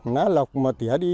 nát lọc mà tỉa đi